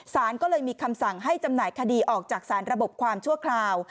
สารก็เลยมีคำสั่งให้จำหน่ายคดีออกจากสารระบบความชั่วคราว